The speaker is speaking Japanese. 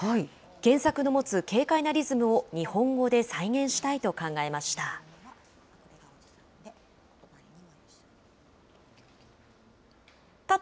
原作の持つ軽快なリズムを日本語で再現したいと考えました。